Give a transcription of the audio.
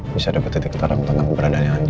bisa dapet titik terang tentang keberadaan andi